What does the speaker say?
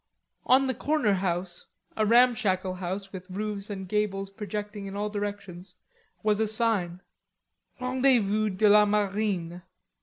On the corner house, a ramshackle house with roofs and gables projecting in all directions, was a sign: "Rendezvous de la Marine."